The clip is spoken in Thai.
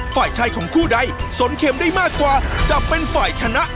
ฝ่ายชายของคู่ใดสนเข็มได้มากกว่าจะเป็นฝ่ายชนะ